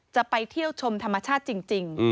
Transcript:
จะไปเที่ยวชมธรรมชาติจริง